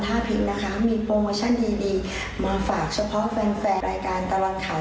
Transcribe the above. ถ้าพริกนะคะมีโปรโมชั่นดีมาฝากเฉพาะแฟนรายการตลอดข่าว